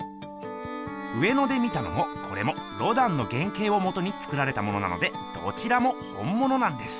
上野で見たのもコレもロダンの原けいをもとに作られたものなのでどちらも「本もの」なんです。